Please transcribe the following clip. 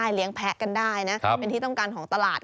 เลี้ยงแพ้กันได้นะเป็นที่ต้องการของตลาด